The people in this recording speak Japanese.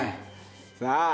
さあ。